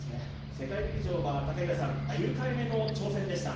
世界陸上は９回目の挑戦でした。